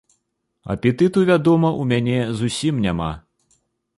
Апетыту, вядома, у мяне зусім няма.